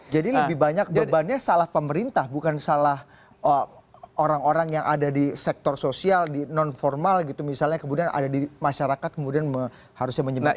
jadi lebih banyak bebannya salah pemerintah bukan salah orang orang yang ada di sektor sosial di non formal gitu misalnya kemudian ada di masyarakat kemudian harusnya menyebutkan